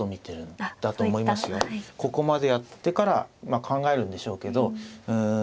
ここまでやってからまあ考えるんでしょうけどうん。